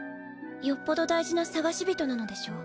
よっぽど大事な捜し人なのでしょう？